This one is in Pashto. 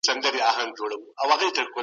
ميرمن به د پردي نارينه سره خلوت نه کوي.